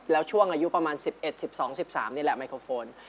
แล้วช่วงอายุประมาณ๑๑๑๒๑๓นี่แหละไมโครโฟน